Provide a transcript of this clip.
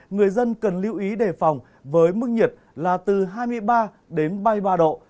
người dân cần lưu ý đề phòng với mức nhiệt là từ hai mươi ba đến ba mươi ba độ